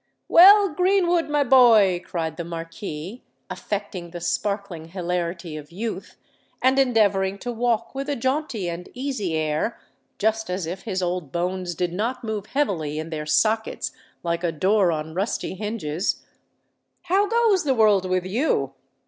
"Well, Greenwood, my boy," cried the Marquis, affecting the sparkling hilarity of youth, and endeavouring to walk with a jaunty and easy air, just as if his old bones did not move heavily in their sockets like a door on rusty hinges; "how goes the world with you?